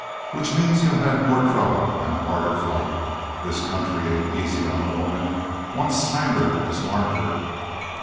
Which means you'll hev more trouble an' a harder fight. This country ain't easy on a woman when once slander has marked her.